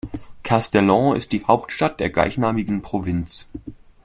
Castellón ist die Hauptstadt der gleichnamigen Provinz.